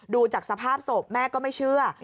ดูจากสภาพศพแม่ก็ไม่เชื่อ